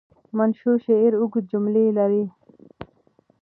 منثور شعر اوږده جملې لري.